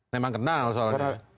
memang kenal soalnya